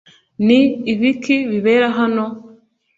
ni ibiki bibera hano